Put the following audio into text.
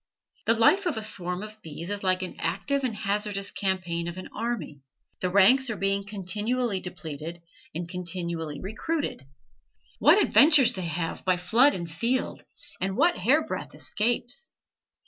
The life of a swarm of bees is like an active and hazardous campaign of an army; the ranks are being continually depleted, and continually recruited. What adventures they have by flood and field, and what hair breadth escapes!